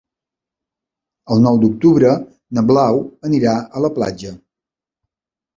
El nou d'octubre na Blau anirà a la platja.